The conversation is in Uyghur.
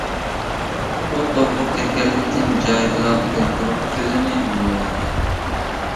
ئۇ قورقۇپ كەتكەنلىكتىن جايىدىلا ئولتۇرۇپ كۆزىنى يۇمۇۋالدى.